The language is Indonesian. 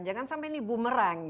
jangan sampai ini bumerang